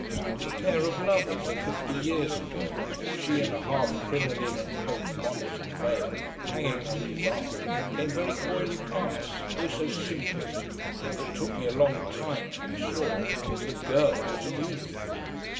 A pair of lovers of fifty years ago, she in a half crinoline and poke bonnet and veil, hanging on his arm came very coyly past, oh so simpering, and it took me a long time to be sure that the "girl" was a youth.